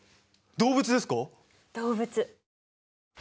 動物。